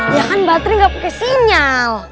ya kan baterai gak pake sinyal